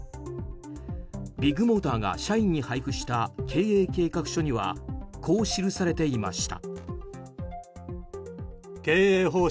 ビッグモーターが社員に配布した経営計画書にはこう記されていました。